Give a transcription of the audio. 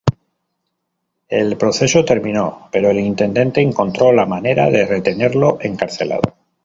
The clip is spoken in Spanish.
El proceso terminó, pero el intendente encontró la manera de retenerlo encarcelado.